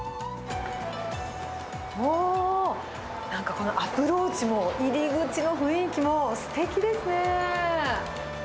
おー、なんかこのアプローチも、入り口の雰囲気もすてきですね。